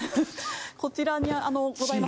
こちらに。